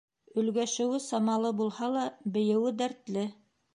Өлгәшеүе самалы булһа ла, бейеүе дәртле.